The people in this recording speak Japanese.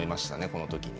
この時に。